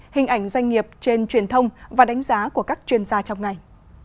hình ảnh doanh nghiệp trên truyền thông và đánh giá của các chuyên gia trong ngành